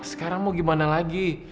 sekarang mau gimana lagi